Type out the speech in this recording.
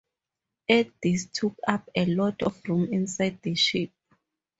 At this took up a lot of room inside the ship.